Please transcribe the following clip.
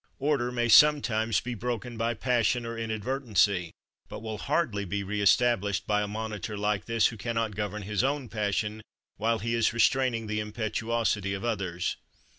Order may sometimes be broken by passion or inad vertency, but will hardly be reestablished by a monitor like this who can not govern his own passion while he is restraining the impetuosity of others.